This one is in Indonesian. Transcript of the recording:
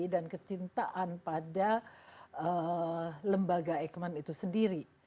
dan kecintaan pada lembaga eijkman itu sendiri